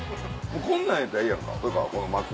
こんなんやったらええやんかこの真っ黒。